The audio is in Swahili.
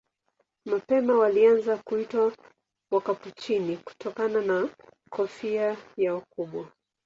Mapema walianza kuitwa Wakapuchini kutokana na kofia yao kubwa.